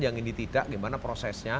yang ini tidak gimana prosesnya